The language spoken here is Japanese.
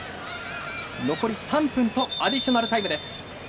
残り３分とアディショナルタイム。